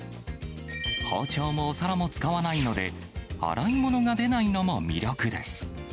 包丁もお皿も使わないので、洗い物が出ないのも魅力です。